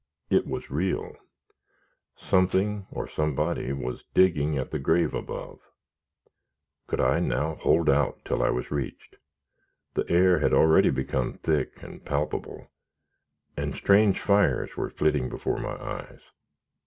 It was real! Something or somebody was digging at the grave above! Could I now hold out till I was reached? The air had already become thick and palpable, and strange fires were flitting before my eyes.